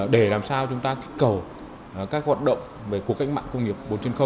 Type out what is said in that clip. để làm sao chúng ta kích cầu các hoạt động về cuộc cách mạng công nghiệp bốn